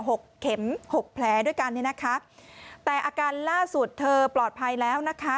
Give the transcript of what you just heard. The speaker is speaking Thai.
หกเข็มหกแผลด้วยกันเนี่ยนะคะแต่อาการล่าสุดเธอปลอดภัยแล้วนะคะ